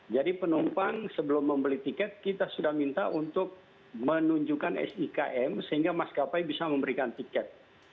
jadi penumpang sebelum membeli tiket kita sudah minta untuk menunjukkan sikm sehingga mas kapai bisa memberikan tiket